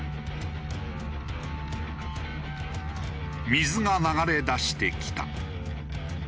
水が流れ出してきた。